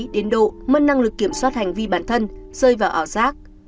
đến độ mất năng lực kiểm soát hành vi bản thân rơi vào ỏ rác